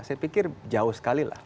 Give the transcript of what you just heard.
saya pikir jauh sekali lah